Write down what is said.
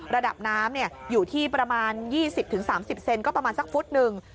ระดับน้ำอยู่ที่ประมาณ๒๐๓๐เซนก็ประมาณสักฟุตหนึ่ง